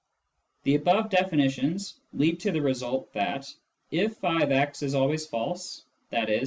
The above definitions lead to the result that, if <f>x is always false, i.e.